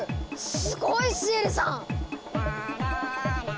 すごい！シエリさん！